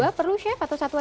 dua perlu chef atau satu aja